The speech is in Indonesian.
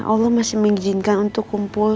allah masih mengizinkan untuk kumpul